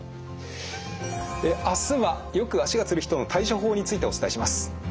明日はよく足がつる人の対処法についてお伝えします。